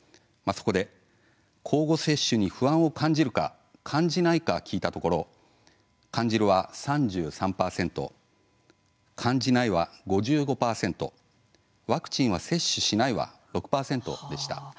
そこで交互接種に不安を感じるか感じないか聞いたところ「感じる」は３３％「感じない」は５５％「ワクチンは接種しない」は６％でした。